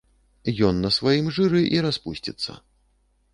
Ён на сваім жыры і распусціцца.